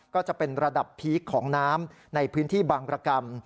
ก็จะเป็นระดับพีคของน้ำในพื้นที่บางรกรรม